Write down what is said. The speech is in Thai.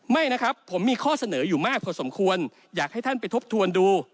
ไม่นะครับผมมีข้อเสนออยู่มากพอสมควรอยากให้ท่านไปทบทวนดู